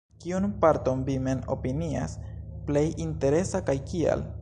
Kiun parton vi mem opinias plej interesa, kaj kial?